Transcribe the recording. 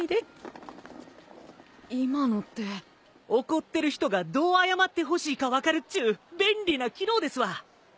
怒ってる人がどう謝ってほしいか分かるっちゅう便利な機能ですわ。